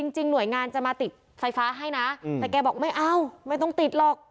หน่วยงานจะมาติดไฟฟ้าให้นะแต่แกบอกไม่เอาไม่ต้องติดหรอก